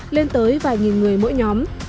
lên tới vài nghìn người mỗi nhóm